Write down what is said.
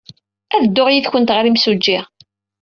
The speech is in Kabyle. Ad dduɣ yid-went ɣer yimsujji.